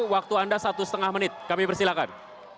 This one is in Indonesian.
waktu anda satu setengah menit kami persilakan